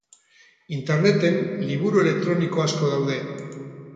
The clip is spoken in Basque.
Interneten liburu elektroniko asko daude.